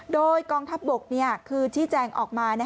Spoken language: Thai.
โดยกองทัพบกคือชี้แจงออกมา